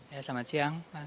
ya selamat siang